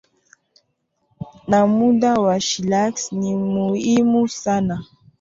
na muda wa chillax ni muhimu sana